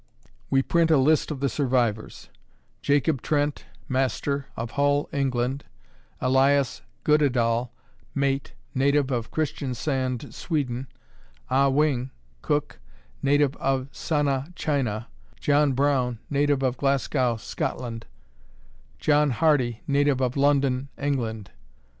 We print a list of the survivors: Jacob Trent, master, of Hull, England; Elias Goddedaal, mate, native of Christiansand, Sweden; Ah Wing, cook, native of Sana, China; John Brown, native of Glasgow, Scotland; John Hardy, native of London, England.